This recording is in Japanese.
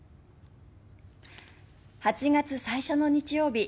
８月、最初の日曜日。